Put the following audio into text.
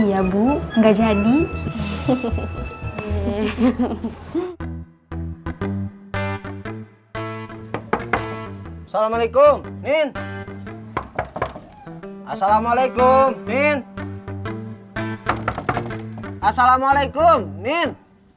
iya bu enggak jadi hehehe soulalaikum angin asalamualaikum in asalamualaikum min